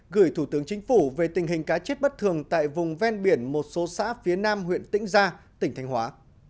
gửi thủ tướng chính phủ về tình hình cá chết bất thường tại vùng ven biển một số xã phía nam huyện tĩnh gia tỉnh thành hóa